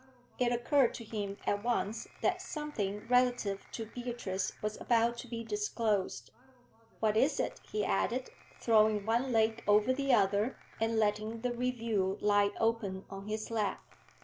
It occurred to him at once that something relative to Beatrice was about to be disclosed. 'What is it?' he added, throwing one leg over the other, and letting the review lie open on his lap.